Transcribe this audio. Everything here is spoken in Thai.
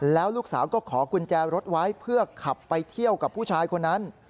แล้วลูกสาวก็ขอกุญแจรถไว้เพื่อขับไปเที่ยวกับผู้ชายคนนั้น